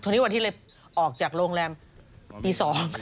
วันนี้วันที่เลยออกจากโรงแรมปี๒